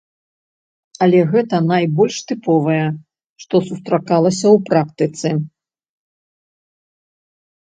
Але гэта найбольш тыповыя, што сустракаліся ў практыцы.